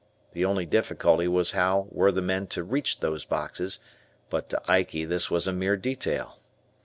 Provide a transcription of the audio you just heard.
The only difficulty was how were the men to reach these boxes, but to Ikey this was a mere detail.